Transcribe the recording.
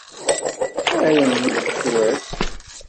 Arem cwiṭ.